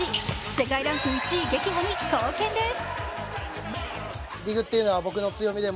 世界ランク１位撃破に貢献です。